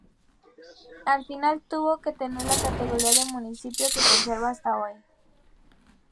Al final volvió a tener la categoría de Municipio que conserva hasta hoy.